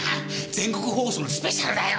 全国放送のスペシャルだよ？